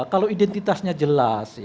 kalau identitasnya jelas